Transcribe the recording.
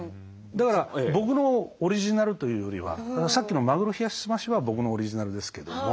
だから僕のオリジナルというよりはさっきの「マグロ冷やしすまし」は僕のオリジナルですけども。